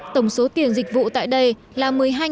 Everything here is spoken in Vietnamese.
đồng số tiền dịch vụ giữa chủ đầu tư và cư dân